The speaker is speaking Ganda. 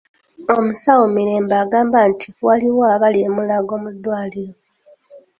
Omusawo Mirembe agamba nti waliwo abali e Mulago mu ddwaliro.